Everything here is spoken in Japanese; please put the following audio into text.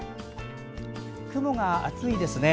雲が厚いですね。